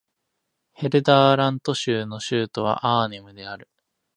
ヘルダーラント州の州都はアーネムである